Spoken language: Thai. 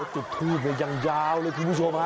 จุดทูปยังยาวเลยคุณผู้ชมฮะ